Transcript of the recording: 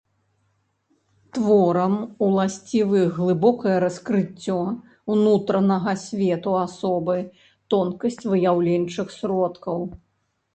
Творам уласцівы глыбокае раскрыццё ўнутранага свету асобы, тонкасць выяўленчых сродкаў.